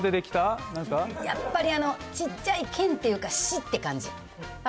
やっぱり、ちっちゃい県っていうか、市っていう感じ。